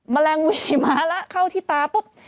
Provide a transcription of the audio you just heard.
แมลงหวีมาแล้วเข้าที่ตาปุ๊บ